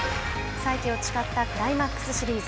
再起を誓ったクライマックスシリーズ。